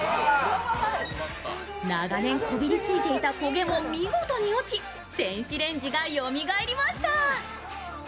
長年こびりついていた焦げも見事に落ち、電子レンジがよみがえりました。